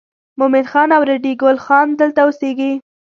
مومن خان او ریډي ګل خان دلته اوسېږي.